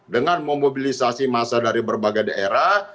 dengan memobilisasi masa dari berbagai daerah